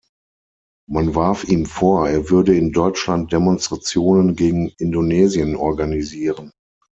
Man warf ihm vor, er würde in Deutschland Demonstrationen gegen Indonesien organisieren.